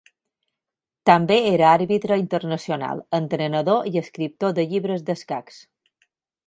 També era Àrbitre Internacional, entrenador i escriptor de llibres d'escacs.